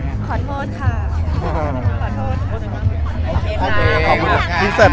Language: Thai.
แม็กซ์ก็คือหนักที่สุดในชีวิตเลยจริง